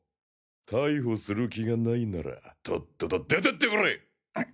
逮捕する気が無いならとっとと出てってくれ！